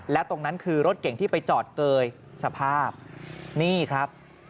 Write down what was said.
และตรงนั้นคือรถเก่งที่ไปจอดเกยสภาพนี่ครับ